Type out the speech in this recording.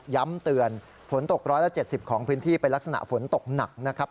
เตือนฝนตก๑๗๐ของพื้นที่เป็นลักษณะฝนตกหนักนะครับ